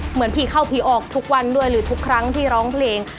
เหมือนผีเข้าผีออกทุกวันด้วยหรือทุกครั้งที่ร้องเพลง